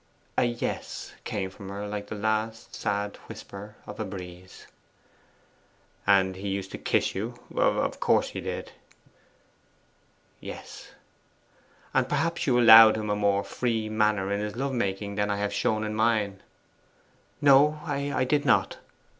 A 'yes' came from her like the last sad whisper of a breeze. 'And he used to kiss you of course he did.' 'Yes.' 'And perhaps you allowed him a more free manner in his love making than I have shown in mine.' 'No, I did not.